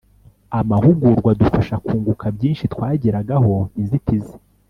amahugurwa adufasha kunguka byinshi twagiragaho inzitizi